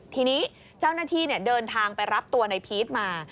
ทีนี้เจ้าหน้าที่เดินทางไปรับตัวในพีชมา